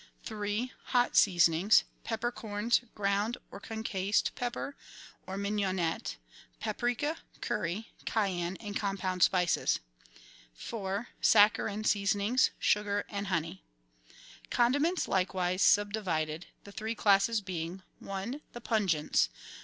3. Hot seasonings. — Peppercorns, ground or concassed pepper, or mignonette; paprika, curry, cayenne, and com pound spices. 4. Saccharine seasonings. — Sugar and honey. Condiments are likewise subdivided, the three classes being :— (i) The pungents.